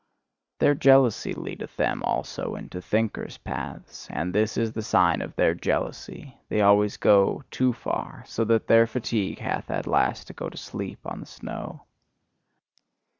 Their jealousy leadeth them also into thinkers' paths; and this is the sign of their jealousy they always go too far: so that their fatigue hath at last to go to sleep on the snow.